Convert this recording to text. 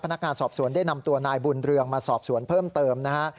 พนักงานสอบสวนได้นำตัวนายบุญเรืองมาสอบสวนเพิ่มเติมนะฮะ